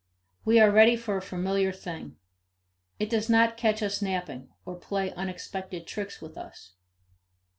We are ready for a familiar thing; it does not catch us napping, or play unexpected tricks with us.